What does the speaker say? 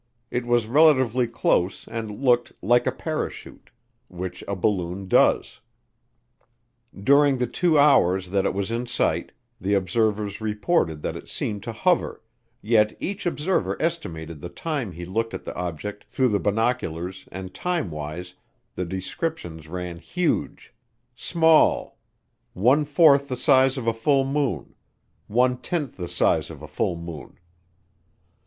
It was relatively close and looked "like a parachute," which a balloon does. During the two hours that it was in sight, the observers reported that it seemed to hover, yet each observer estimated the time he looked at the object through the binoculars and timewise the descriptions ran "huge," "small," "one fourth the size of a full moon," "one tenth the size of a full moon."